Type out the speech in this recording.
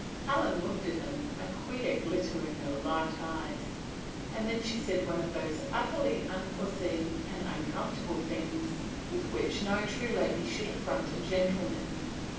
Helen looked at him, a queer glitter in her light eyes, and then she said one of those utterly unforeseen and uncomfortable things with which no true lady should affront a gentleman.